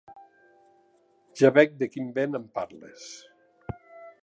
Ja veig de quin vent em parles.